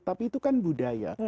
tapi itu kan budaya